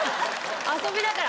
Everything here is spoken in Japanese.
遊びだから。